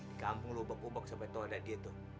di kampung lo ubah ubah sampai tuh ada dia tuh